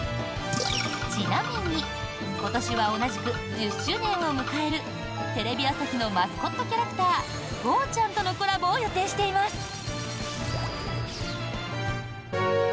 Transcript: ちなみに今年は同じく１０周年を迎えるテレビ朝日のマスコットキャラクターゴーちゃん。とのコラボを予定しています。